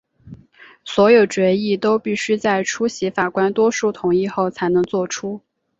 所有决议都必须在出席法官多数同意后才能做出。